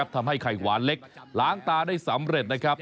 ทำให้ไข่หวานเล็กล้างตาได้สำเร็จนะครับ